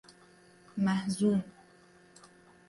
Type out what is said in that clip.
محزون